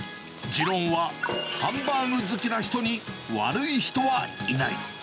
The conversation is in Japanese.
持論はハンバーグ好きな人に悪い人はいない。